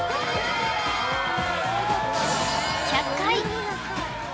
１００回！